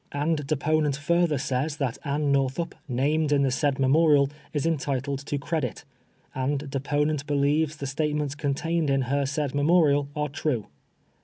And deponent further says that Anne Northup, named in the said memorial, is entitled to credit, and deponent believes the statements contained in her said memo rial are true.